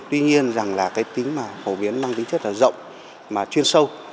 tuy nhiên là cái tính phổ biến mang tính chất là rộng chuyên sâu